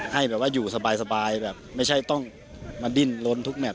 ให้แบบว่าอยู่สบายแบบไม่ใช่ต้องมาดิ้นล้นทุกแมท